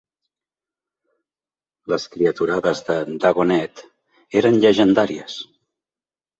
Les criaturades de Dagonet eren llegendàries.